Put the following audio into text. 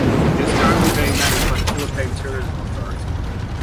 It is currently being managed by the Philippine Tourism Authority.